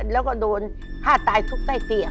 แล้วก็โดนฆ่าตายทุบใต้เตียง